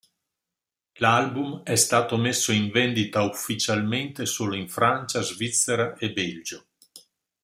L'album è stato messo in vendita ufficialmente solo in Francia, Svizzera e Belgio.